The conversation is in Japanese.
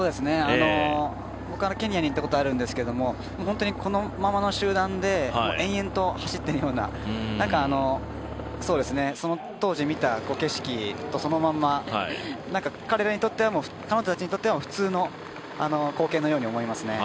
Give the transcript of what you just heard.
僕はケニアに行ったことがあるんですけどこのままの集団で延々と走っているような当時見た景色と、そのまんま彼女たちにとっては普通の光景のように思えますね。